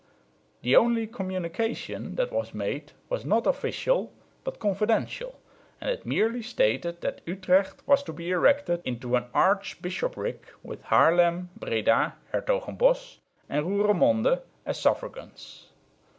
The only communication that was made was not official, but confidential; and it merely stated that Utrecht was to be erected into an archbishopric with Haarlem, Breda, Hertogenbosch and Roeremonde, as suffragans.